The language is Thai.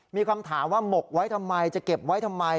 มีคำถามว่าหมกไว้ทำไมจะเก็บไว้ทำไม